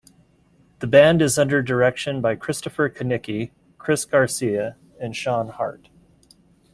The band is under direction by Christopher Kanicki, Cris Garcia, and Shawn Hart.